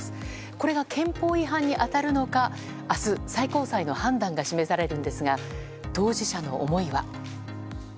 これが憲法違反に当たるのか明日、最高裁の判断が示されるんですが当事者の思いは。